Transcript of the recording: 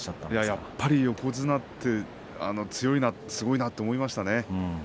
やっぱり横綱って強いなすごいなと思いましたね。